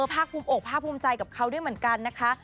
ภาคภูมิอกภาคภูมิใจกับเขาด้วยเหมือนกันนะคะ